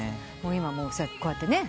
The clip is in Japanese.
今もうこうやってね。